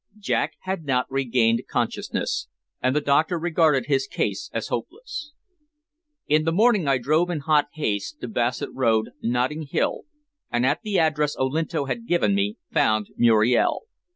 Jack had not regained consciousness, and the doctor regarded his case as hopeless. In the morning I drove in hot haste to Bassett Road, Notting Hill, and at the address Olinto had given me found Muriel.